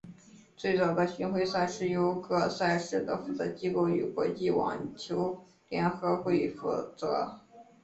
最早的巡回赛是由各赛事的负责机构与国际网球联合会负责。